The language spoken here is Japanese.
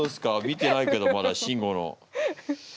見てないけどまだシンゴの。